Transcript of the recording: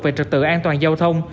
về trật tự an toàn giao thông